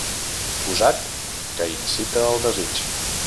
Posat que incita al desig.